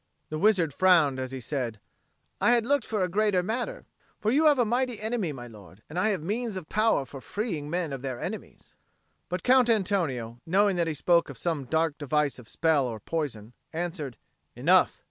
The wizard frowned as he said, "I had looked for a greater matter. For you have a mighty enemy, my lord, and I have means of power for freeing men of their enemies." But Count Antonio, knowing that he spoke of some dark device of spell or poison, answered, "Enough!